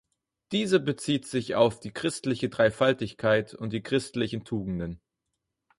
Diese bezieht sich auf die christliche Dreifaltigkeit und die christlichen Tugenden.